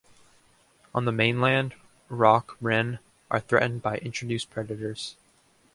On the mainland, rock wren are threatened by introduced predators.